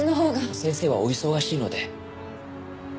先生はお忙しいので。